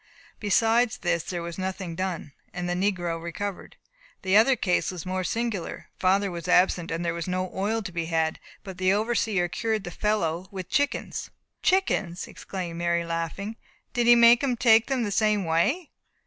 Beside this there was nothing done, and the negro recovered. The other case was more singular. Father was absent, and there was no oil to be had, but the overseer cured the fellow with chickens." "Chickens!" exclaimed Mary, laughing. "Did he make him take them the same way?"